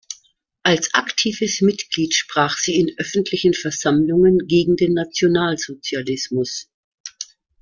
Als aktives Mitglied sprach sie in öffentlichen Versammlungen gegen den Nationalsozialismus.